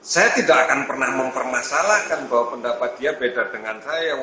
saya tidak akan pernah mempermasalahkan bahwa pendapat dia beda dengan saya